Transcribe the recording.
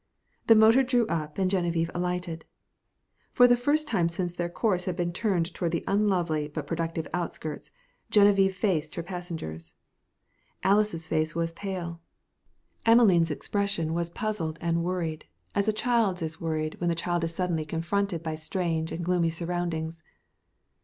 The motor drew up and Genevieve alighted. For the first time since their course had been turned toward the unlovely but productive outskirts, Geneviève faced her passengers. Alys' face was pale. Emelene's expression was puzzled and worried, as a child's is worried when the child is suddenly confronted by strange and gloomy surroundings.